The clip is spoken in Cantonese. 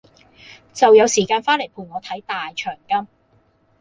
就有時間翻來陪我睇大長今